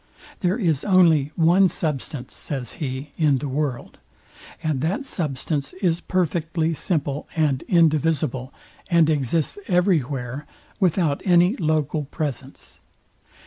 There is only one substance, says he, in the world; and that substance is perfectly simple and indivisible, and exists every where, without any local presence.